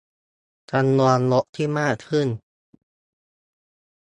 - จำนวนรถที่มากขึ้น